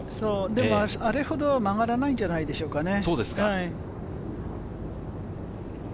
でも、あれほど曲がらないんじゃないでしょうかね。